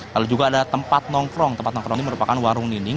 lalu juga ada tempat nongkrong tempat nongkroni merupakan warung nining